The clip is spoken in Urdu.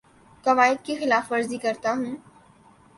قوائد کی خلاف ورزی کرتا ہوں